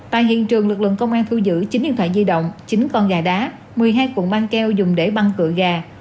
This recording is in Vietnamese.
tại hiện trường lực lượng công an thu giữ chín điện thoại di động chín con gà đá một mươi hai cuộn băng keo dùng để băng cựa gà